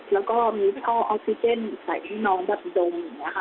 แล้วก็มีท่อออฟฟิเซ็นต์ใส่ให้น้องดับดม